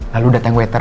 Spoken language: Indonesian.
lalu datang wetter